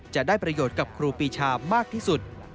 จะได้ประโยชน์กับครูปีชามากที่สุด